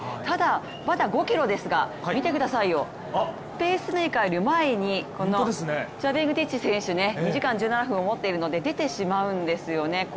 ただまだ５ｋｍですが、見てくださいよ、ペースメーカーの前にこの選手ね、２時間１７分を持っているので出てしまうんですよね。